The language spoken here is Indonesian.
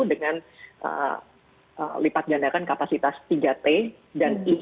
dengan lipat gandakan kapasitas tiga t dan tiga e